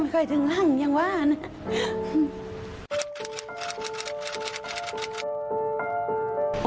จากนั้นไม่ค่อยถึงรั่งอย่างว่านะ